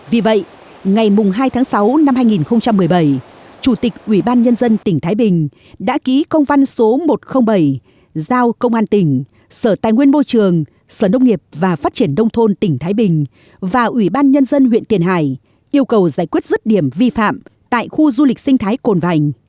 vì vậy ngày hai tháng sáu năm hai nghìn một mươi bảy chủ tịch ủy ban nhân dân tỉnh thái bình đã ký công văn số một trăm linh bảy giao công an tỉnh sở tài nguyên môi trường sở nông nghiệp và phát triển đông thôn tỉnh thái bình và ủy ban nhân dân huyện tiền hải yêu cầu giải quyết rứt điểm vi phạm tại khu du lịch sinh thái cồn vành